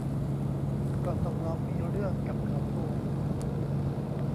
ก็ต้องลองมีเรื่องกับเขาดู